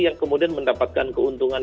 yang kemudian mendapatkan keuntungan